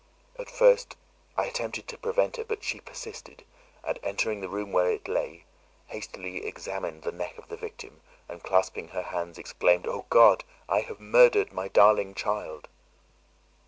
At first I attempted to prevent her but she persisted, and entering the room where it lay, hastily examined the neck of the victim, and clasping her hands exclaimed, 'O God! I have murdered my darling child!